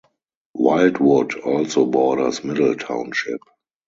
Wildwood also borders Middle Township.